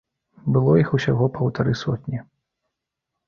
Было іх усяго паўтары сотні.